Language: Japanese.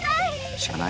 しかたない。